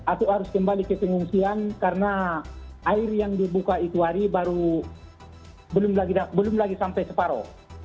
atau harus kembali ke pengungsian karena air yang dibuka itu hari baru belum lagi sampai separoh